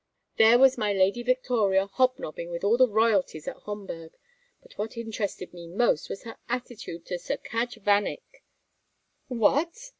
There was my Lady Victoria hobnobbing with all the royalties at Homburg. But what interested me most was her attitude to Sir Cadge Vanneck " "What?"